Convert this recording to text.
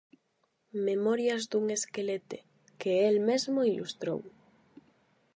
"Memorias dun esquelete", que el mesmo ilustrou.